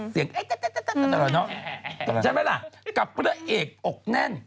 เสียงเอ๊ะน้องใช่ไหมล่ะกับพระเอกอกแน่น